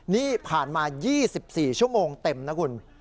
นี่ผ่านมา๒๔ชั่วโมงเต็มนะคุณ